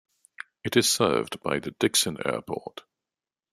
It is served by the Dikson Airport.